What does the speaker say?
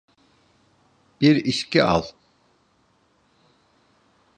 Bir içki al.